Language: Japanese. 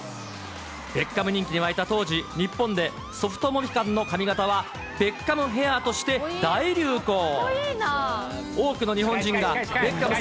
ベッカム人気に沸いた当時、日本でソフトモヒカンの髪形は、ベッカムヘアとして大流行。